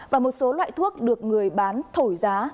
và một số loại thuốc được người bán thổi giá